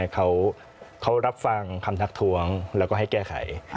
เขารับฟังคำทักทวงแล้วก็ให้แก้ไข